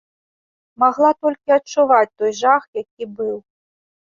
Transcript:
Магла толькі адчуваць той жах, які быў.